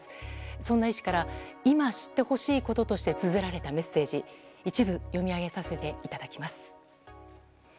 そんな医師から今知ってほしいこととしてつづられたメッセージ一部読み上げさせていただきます。